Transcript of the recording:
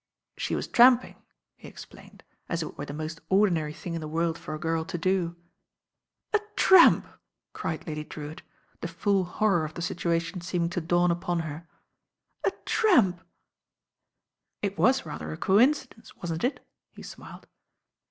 "She was tramping," he explained, as if it were the most ordinary thing in the world for a girl to do. "A tramp I" cried Lady Drewitt, the full horror of the situation seeming to dawn upon her. "A tramp I" "It was rather a coincidence, wasn't it?'* he smiled.